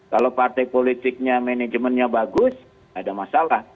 kalau partai politiknya manajemennya bagus ada masalah